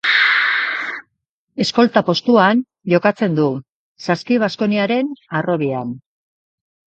Eskolta postuan jokatzen du Saski Baskoniaren harrobian.